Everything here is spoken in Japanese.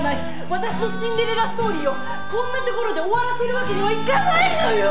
私のシンデレラストーリーをこんなところで終わらせるわけにはいかないのよ。